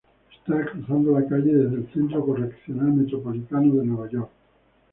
Está cruzando la calle desde el Centro Correccional Metropolitano de Nueva York.